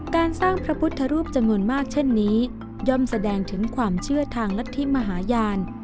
การสร้างพระพุทธรูปจำนวนมากเช่นนี้ย่อมแสดงถึงความเชื่อทางรัฐธิมหาญาณ